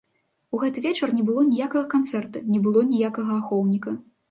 У гэты вечар не было ніякага канцэрта, не было ніякага ахоўніка.